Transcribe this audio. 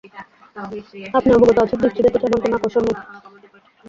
আপনি অবগত আছেন যে, স্ত্রীদের প্রতি আমাদের কোন আকর্ষণ নেই।